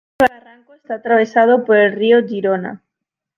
Este barranco está atravesado por el río Girona.